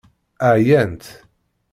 Ɛyant.